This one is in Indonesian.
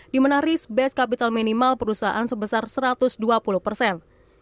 di mana risk based capital minimal perusahaan sebesar satu ratus dua puluh persen